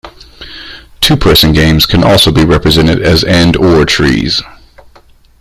Two-person games can also be represented as and-or trees.